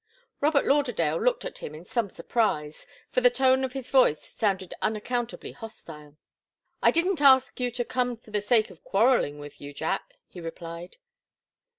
Robert Lauderdale looked at him in some surprise, for the tone of his voice sounded unaccountably hostile. "I didn't ask you to come for the sake of quarrelling with you, Jack," he replied.